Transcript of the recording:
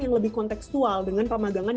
yang lebih konteksual dengan pemagangan